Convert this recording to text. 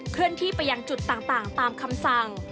เลื่อนที่ไปยังจุดต่างตามคำสั่ง